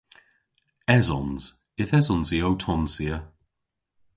Esons. Yth esons i ow tonsya.